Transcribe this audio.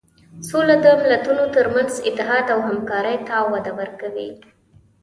سوله د ملتونو تر منځ اتحاد او همکاري ته وده ورکوي.